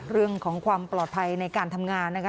เรื่องของความปลอดภัยในการทำงานนะคะ